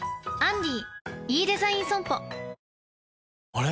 あれ？